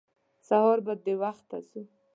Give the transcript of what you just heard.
سهار به د وخته ځو.